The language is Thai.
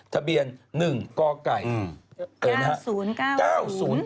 ทะเบียน๑กไก่เอิญฮะ๙๐๙๐